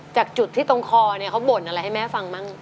จากจุดที่ตรงคอเนี่ยเขาบ่นอะไรให้แม่ฟังบ้าง